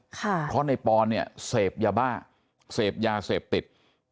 เพราะในปอนเนี่ยเสพยาบ้าเสพยาเสพติด